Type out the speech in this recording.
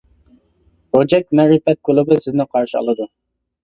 روجەك مەرىپەت كۇلۇبى سىزنى قارشى ئالىدۇ!